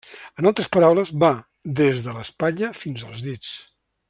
En altres paraules va des de l'espatlla fins als dits.